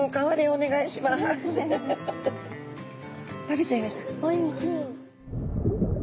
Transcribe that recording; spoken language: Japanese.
おいしい。